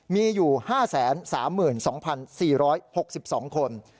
มีอยู่๕๓๒๔๖๒คน